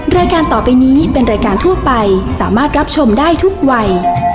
รายการต่อไปนี้เป็นรายการทั่วไปสามารถรับชมได้ทุกวัย